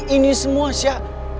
ini semua sya